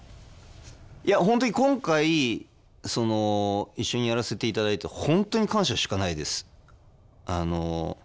いや本当に今回一緒にやらせていただいて本当に感謝しかないです。